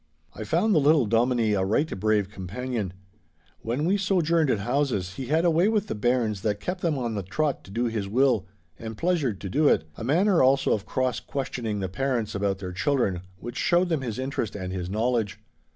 I found the little Dominie a right brave companion. When we sojourned at houses, he had a way with the bairns that kept them on the trot to do his will, and pleasured to do it—a manner also of cross questioning the parents about their children which showed them his interest and his knowledge.